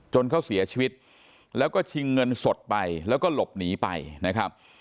เขาเสียชีวิตแล้วก็ชิงเงินสดไปแล้วก็หลบหนีไปนะครับ